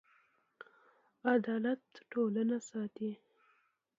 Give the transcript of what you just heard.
عدالت ټولنه ساتي.